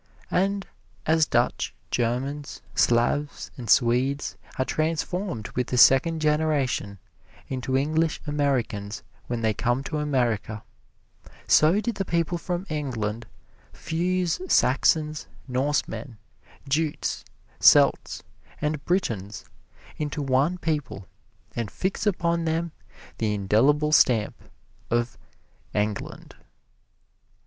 And as Dutch, Germans, Slavs and Swedes are transformed with the second generation into English Americans when they come to America, so did the people from Eng Land fuse Saxons, Norsemen, Jutes, Celts and Britons into one people and fix upon them the indelible stamp of Eng Land.